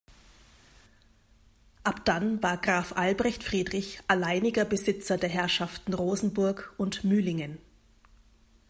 Ab dann war Graf Albrecht Friedrich alleiniger Besitzer der Herrschaften Rosenburg und Mühlingen.